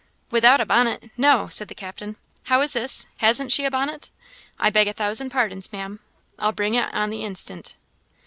"Without a bonnet! no," said the captain. "How is this? hasn't she a bonnet? I beg a thousand pardons, Maam I'll bring it on the instant."